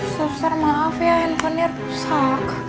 susah maaf ya infonya rusak